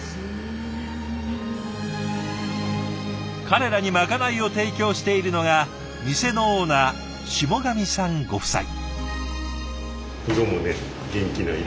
彼らにまかないを提供しているのが店のオーナー霜上さんご夫妻。